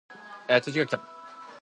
通知が来た